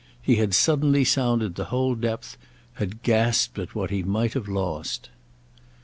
He had suddenly sounded the whole depth, had gasped at what he might have lost.